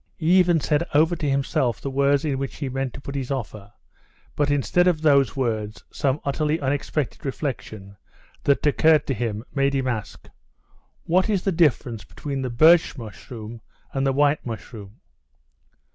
He even said over to himself the words in which he meant to put his offer, but instead of those words, some utterly unexpected reflection that occurred to him made him ask: "What is the difference between the 'birch' mushroom and the 'white' mushroom?"